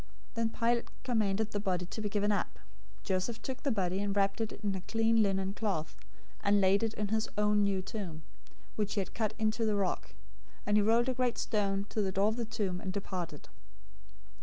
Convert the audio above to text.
Then Pilate commanded the body to be given up. 027:059 Joseph took the body, and wrapped it in a clean linen cloth, 027:060 and laid it in his own new tomb, which he had hewn out in the rock, and he rolled a great stone to the door of the tomb, and departed.